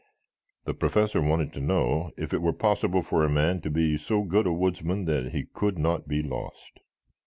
The Professor wanted to know if it were possible for a man to be so good a woodsman that he could not be lost.